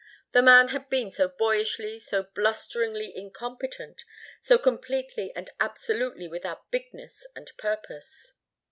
The man had been so boyishly, so blusteringly incompetent, so completely and absolutely without bigness and purpose.